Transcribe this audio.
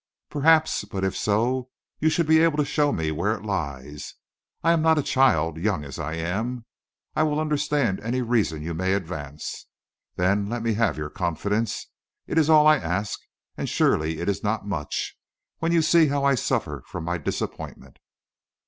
Perhaps; but if so, you should be able to show where it lies. I am not a child, young as I am; I will understand any reasons you may advance. Then let me have your confidence; it is all I ask, and surely it is not much, when you see how I suffer from my disappointment."